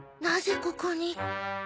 なぜここに？